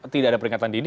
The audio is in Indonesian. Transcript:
tidak ada peringatan dini